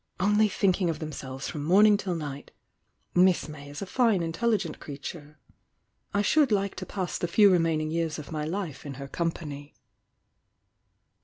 — only thinking of themselves from mommg till night!— Miss May is a fine, intelli gent creature— I should like to pass the few remain mg years of my life in her company."